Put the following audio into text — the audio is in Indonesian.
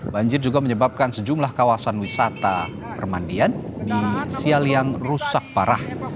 banjir juga menyebabkan sejumlah kawasan wisata permandian di sialyang rusak parah